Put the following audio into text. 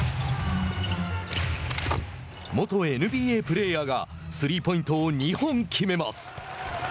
元ＮＢＡプレーヤーがスリーポイントを２本決めます。